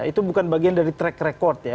itu bukan bagian dari track record ya